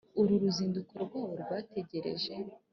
Uru ruzinduko rwabo rwatekerejwe